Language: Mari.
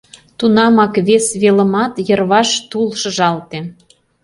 Тунамак вес велымат йырваш тул шыжалте.